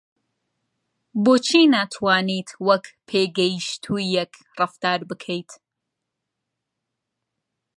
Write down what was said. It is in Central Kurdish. بۆچی ناتوانیت وەک پێگەیشتوویەک ڕەفتار بکەیت؟